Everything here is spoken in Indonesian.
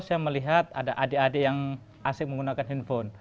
saya melihat ada adik adik yang asik menggunakan handphone